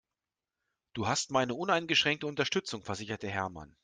Du hast meine uneingeschränkte Unterstützung, versicherte Hermann.